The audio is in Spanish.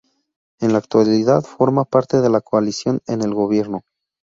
En la actualidad forma parte de la coalición en el gobierno.